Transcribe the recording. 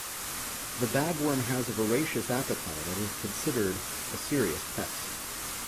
The bagworm has a voracious appetite and is considered a serious pest.